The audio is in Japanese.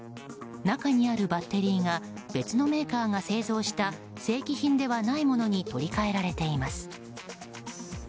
中にあるバッテリーが別のメーカーが製造した正規品ではないものに取り換えられています。